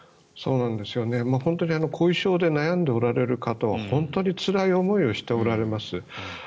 本当に後遺症で悩んでおられる方々は本当につらい思いをされています。